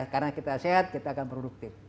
karena kita sehat kita akan produktif